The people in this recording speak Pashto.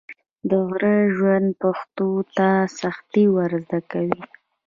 د غره ژوند پښتون ته سختي ور زده کوي.